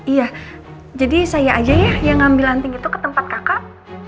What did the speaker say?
iya jadi saya aja ya yang ngambil lantaing itu ke tempat kakak